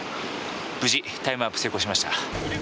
無事タイムワープ成功しました。